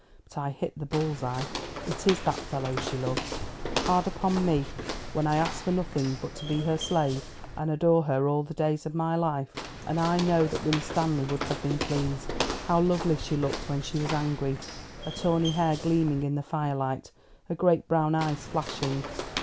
"But I hit the bull's eye. It is that fellow she loves. Hard upon me, when I ask for nothing but to be her slave and adore her all the days of my life. And I know that Winstanley would have been pleased. How lovely she looked when she was angry her tawny hair gleaming in the firelight, her great brown eyes flashing.